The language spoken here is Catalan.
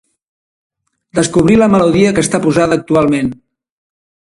Descobrir la melodia que està posada actualment.